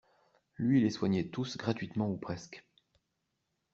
Lui les soignait tous gratuitement ou presque.